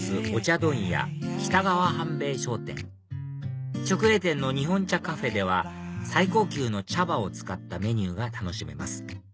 問屋北川半兵衞商店直営店の日本茶カフェでは最高級の茶葉を使ったメニューが楽しめます